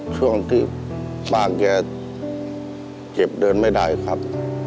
ช่วงที่บ้านแกเจ็บเดินไม่ได้ครับ